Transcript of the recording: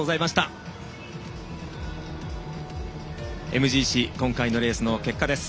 ＭＧＣ、今回のレースの結果です。